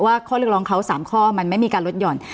ข้อเรียกร้องเขา๓ข้อมันไม่มีการลดหย่อน